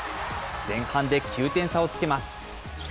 前半で９点差をつけます。